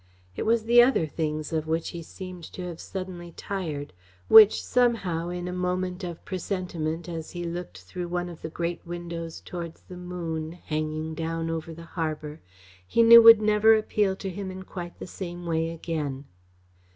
It was the other things of which he seemed to have suddenly tired, which somehow, in a moment of presentiment as he looked through one of the great windows towards the moon, hanging down over the harbour, he knew would never appeal to him in quite the same way again.